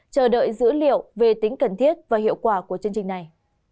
chờ đợi dữ liệu về tính cần thiết và hiệu quả của chương trình này